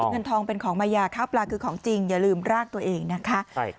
เงินทองเป็นของมายาข้าวปลาคือของจริงอย่าลืมรากตัวเองนะคะ